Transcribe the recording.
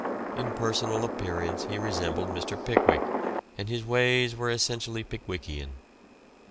In personal appearance he resembled Mr. Pickwick, and his ways were essentially Pickwickian.